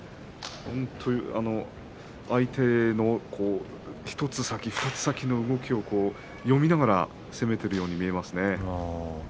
本当に相手の１つ先２つ先の動きを読みながら攻めているように見えますね。